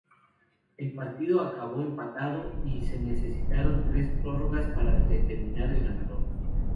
El partido acabó empatado, y se necesitaron tres prórrogas para determinar el ganador.